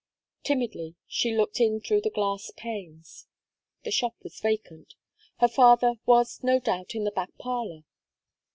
Timidly, she looked in through the glass panes; the shop was vacant; her father was, no doubt, in the back parlour.